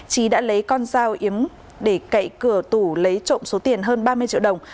trí đã lấy con dao yếm để cậy cửa lấy trộm số tiền hơn ba mươi triệu đồng